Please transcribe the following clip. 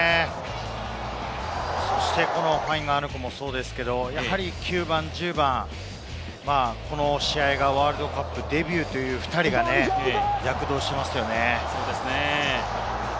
ファインガアヌクも、そうですけれど、９番、１０番、この試合がワールドカップデビューという２人が躍動していますよね。